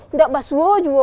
udah basuh juga